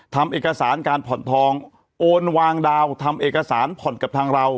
ทำเอกสารการผ่อนทองโอนวางดาวทำเอกสารผ่อนกับทางเรา